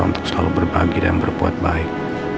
untuk selalu berbagi dan berbuat baik